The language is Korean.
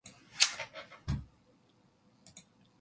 기천은 아주 초죽음이 되었다가 새벽녘에야 간신히 저의 집으로 기어들었다.